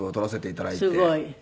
すごい。